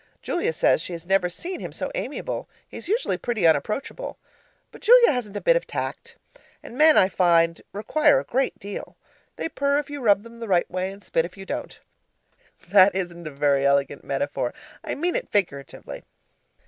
Julia says she has never seen him so amiable; he's usually pretty unapproachable. But Julia hasn't a bit of tact; and men, I find, require a great deal. They purr if you rub them the right way and spit if you don't. (That isn't a very elegant metaphor. I mean it figuratively.)